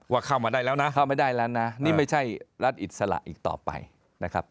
เข้ามาได้แล้วนะเข้าไม่ได้แล้วนะนี่ไม่ใช่รัฐอิสระอีกต่อไปนะครับ